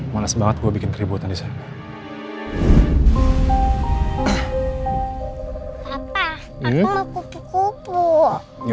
males banget gue bikin keributan di sana